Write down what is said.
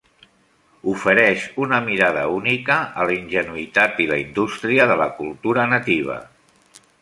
Ofereix una mirada única a la ingenuïtat i la indústria de la cultura nativa.